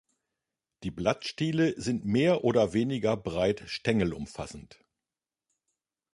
Die Blattstiele sind mehr oder weniger breit stängelumfassend.